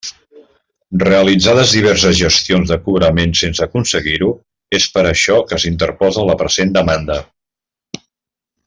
Realitzades diverses gestions de cobrament sense aconseguir-ho, és per això que s'interposa la present demanda.